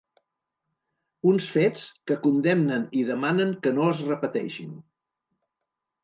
Uns fets que condemnen i demanen que no es repeteixin.